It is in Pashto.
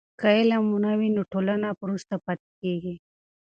که علم نه وي نو ټولنه وروسته پاتې کېږي.